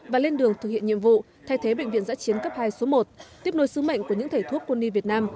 và lên đường thực hiện nhiệm vụ thay thế bệnh viện giã chiến cấp hai số một tiếp nối sứ mệnh của những thể thuốc quân y việt nam